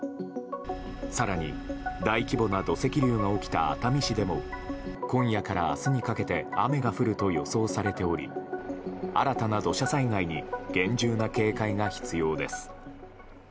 更に、大規模な土石流が起きた熱海市でも今夜から明日にかけて雨が降ると予想されており新たな土砂災害に厳重な警戒が必要です。